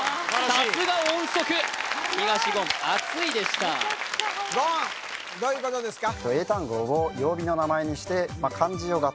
さすが音速東言暑いでした言どういうことですか？